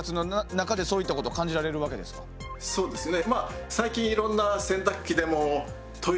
そうですね。